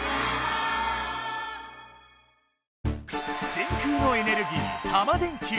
電空のエネルギータマ電Ｑ。